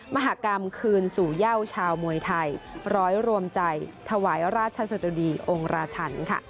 มหากรรมคืนสู่เย่าชาวมวยไทยร้อยรวมใจถวายราชสะดุดีองค์ราชันค่ะ